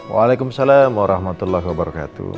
waalaikumsalam warahmatullahi wabarakatuh